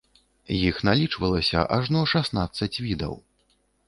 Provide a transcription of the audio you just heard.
Іх налічвалася ажно шаснаццаць відаў.